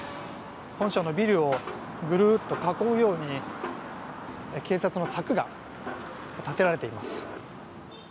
本社のビルをぐるっと囲うように警察の柵が立てられています。